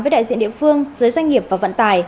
với đại diện địa phương giới doanh nghiệp và vận tải